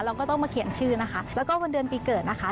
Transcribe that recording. เราก็ต้องมาเขียนชื่อนะคะแล้วก็วันเดือนปีเกิดนะคะ